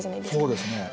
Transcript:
そうですね。